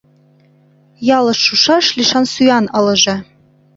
Ялыш шушаш лишан сӱан ылыже.